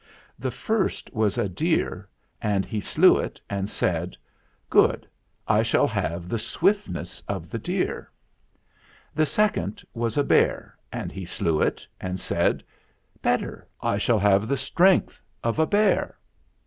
The first was a deer, and he slew it and said, "Good, I shall have the swiftness of the deer." The second was a bear, and he slew it and said, "Better, I shall have the strength of a bear."